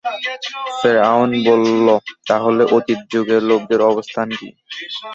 ফিরআউন বলল, তাহলে অতীত যুগের লোকদের অবস্থা কী?